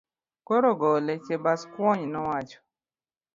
Koro gole, Chebaskwony nowacho.